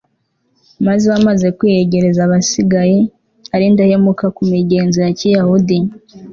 maze bamaze kwiyegereza abasigaye ari indahemuka ku migenzo ya kiyahudi